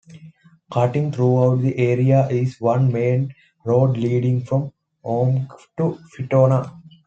Cutting through the area is one main road leading from Omagh to Fintona.